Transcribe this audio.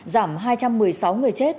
giảm hai trăm một mươi sáu người chết